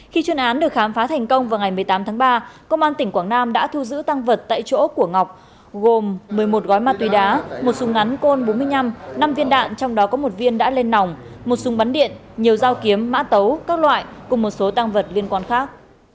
khi chuyên án được khám phá thành công vào ngày một mươi tám tháng ba công an tỉnh quảng nam đã thu giữ tăng vật tại chỗ của ngọc gồm một mươi một gói ma túy đá một súng ngắn côn bốn mươi năm năm viên đạn trong đó có một viên đã lên nòng một súng bắn điện nhiều dao kiếm mã tấu các loại cùng một số tăng vật liên quan khác